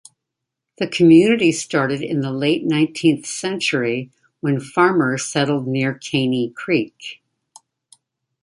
The community started in the late nineteenth century when farmers settled near Caney Creek.